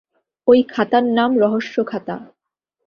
ঐ খাতার নাম রহস্য- খাতা!